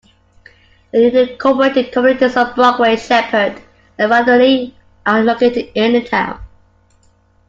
The unincorporated communities of Brockway, Sheppard, and Vaudreuil are located in the town.